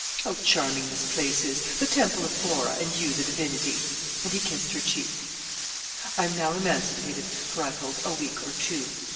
'How charming this place is the temple of Flora, and you the divinity!' And he kissed her cheek. 'I'm now emancipated for, I hope, a week or two.